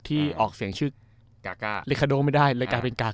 ที่ออกเสียงชื่อกากาเลคาโดไม่ได้เลยกลายเป็นกาก